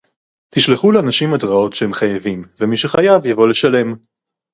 תשלחו לאנשים התראות שהם חייבים ומי שחייב יבוא לשלם